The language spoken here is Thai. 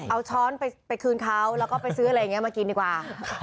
เอาช้อนไปคืนเขาแล้วก็ไปซื้ออะไรอย่างนี้มากินดีกว่า